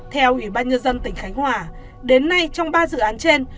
theo ủy ban nhân dân tỉnh khánh hòa đến nay trong ba dự án trên